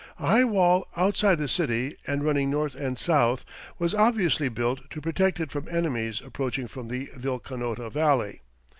A high wall outside the city, and running north and south, was obviously built to protect it from enemies approaching from the Vilcanota Valley.